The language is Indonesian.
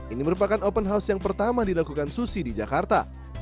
ini merupakan open house yang pertama dilakukan susi di jakarta